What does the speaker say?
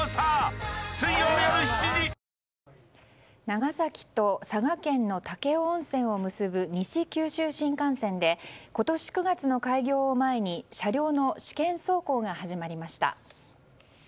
長崎と佐賀県の武雄温泉を結ぶ西九州新幹線で今年９月の開業を前に車両の試験走行が始まりました。